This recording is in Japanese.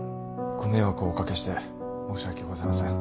ご迷惑をお掛けして申し訳ございません